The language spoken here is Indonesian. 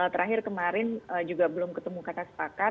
terakhir kemarin juga belum ketemu kata sepakat